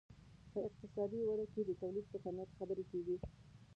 په اقتصادي وده کې د تولید په کمیت خبرې کیږي.